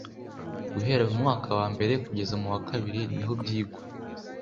Guhera mu mwaka wambere kugeza muwa kabiri nihobyigwa.